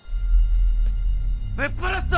ぶっ放すぞ！